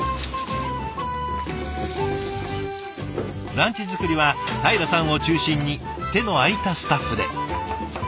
ランチ作りはたいらさんを中心に手の空いたスタッフで。